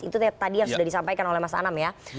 itu tadi yang sudah disampaikan oleh mas anam ya